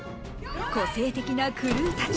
個性的なクルーたち